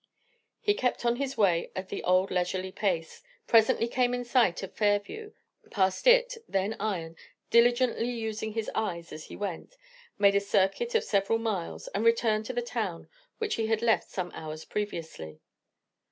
He kept on his way at the old leisurely pace, presently came in sight of Fairview, passed it, then Ion, diligently using his eyes as he went, made a circuit of several miles and returned to the town which he had left some hours previously.